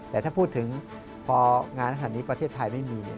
แต่ถ้าพูดถึงพองานขนาดนี้ประเทศไทยไม่มี